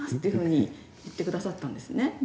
いうふうに言ってくださったんですね。